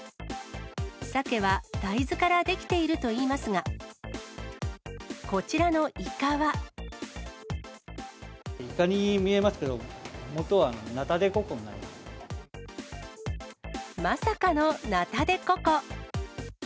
サケは大豆から出来ているといいますが、イカに見えますけど、まさかのナタデココ。